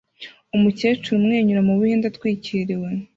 Umukecuru umwenyura mubuhinde atwikiriwe